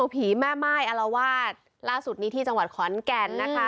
ผีแม่ม่ายอารวาสล่าสุดนี้ที่จังหวัดขอนแก่นนะคะ